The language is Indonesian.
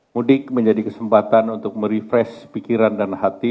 mudik menjadi kesempatan untuk merefresh pikiran dan hati